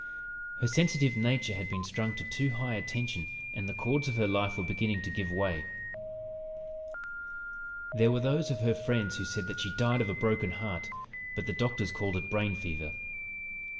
Her sensitive nature had been strung to too high a tension and the chords of her life were beginning to give way. "There were those of her friends who said that she died of a broken heart, but the doctors called it 'brain fever.'